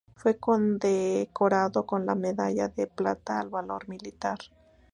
Fue Condecorado con la Medalla de Plata al Valor Militar.